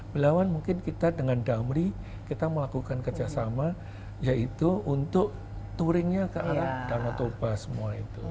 belawan mungkin kita dengan damri kita melakukan kerjasama yaitu untuk touringnya ke arah danau toba semua itu